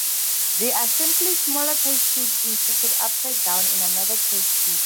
They are simply smaller test tubes inserted upside down in another test tube.